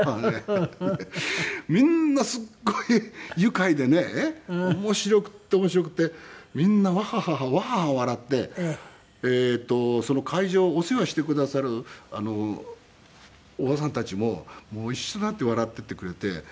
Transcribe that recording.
みんなすっごい愉快でね面白くて面白くてみんなワハハハワハハハ笑ってその会場お世話してくださるおばさんたちも一緒になって笑っていてくれて。